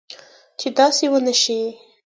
چې داسي و نه شي